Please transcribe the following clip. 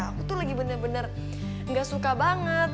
aku tuh lagi bener bener gak suka banget